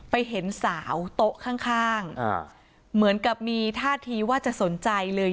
เห็นสาวโต๊ะข้างเหมือนกับมีท่าทีว่าจะสนใจเลย